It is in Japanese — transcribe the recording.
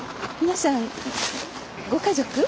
皆さんご家族？